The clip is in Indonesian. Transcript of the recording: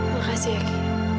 terima kasih ki